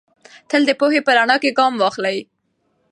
تل د پوهې په رڼا کې ګام واخلئ.